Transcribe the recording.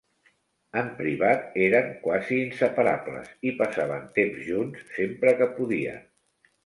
En privat, eren quasi "inseparables" i passaven temps junts sempre que podien.